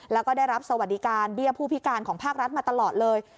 แล้วก็ได้รับสวัสดิการเบี้ยผู้พิการของภาครัฐมาตลอดเลย